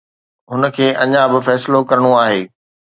هن کي اڃا به فيصلو ڪرڻو آهي.